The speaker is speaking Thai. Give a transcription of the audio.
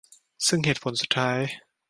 ซึ่งเหตุผลสุดท้าย